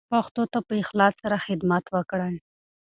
پښتو ته په اخلاص سره خدمت وکړئ.